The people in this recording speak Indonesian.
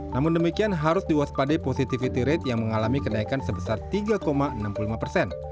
namun demikian harus diwaspadai positivity rate yang mengalami kenaikan sebesar tiga enam puluh lima persen